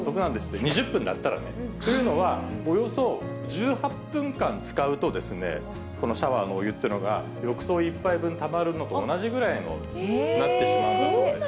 ２０分だったらね。というのは、およそ１８分間使うと、このシャワーのお湯っていうのが浴槽１杯分たまるのと同じぐらいになってしまうんだそうです。